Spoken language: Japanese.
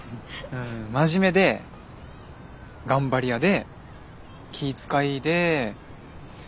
真面目で頑張り屋で気ぃ遣いでかわいい。